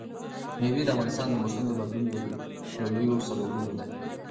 مېوې د افغانستان د موسم د بدلون یو له لویو سببونو ده.